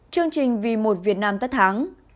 chương trình vì một việt nam tất thắng